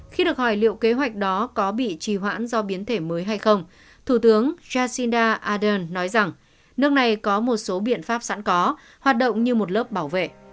khi được hỏi liệu kế hoạch đó có bị trì hoãn do biến thể mới hay không thủ tướng jacinda ardern nói rằng nước này có một số biện pháp sẵn có hoạt động như một lớp bảo vệ